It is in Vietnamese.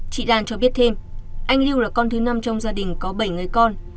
chị lan cho biết thêm anh lưu là con thứ năm trong gia đình có bảy người con